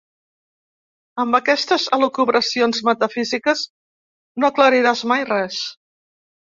Amb aquestes elucubracions metafísiques no aclariràs mai res!